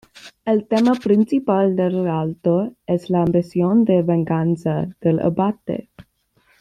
El tema principal del relato es la ambición de venganza del abate.